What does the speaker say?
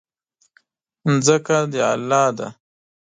ځمکه د الله ده.